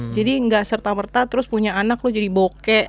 jadi gak serta merta terus punya anak lo jadi bokeh